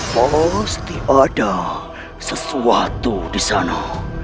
mesti ada sesuatu di sana